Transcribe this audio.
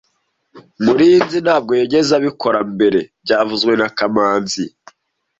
Murinzi ntabwo yigeze abikora mbere byavuzwe na kamanzi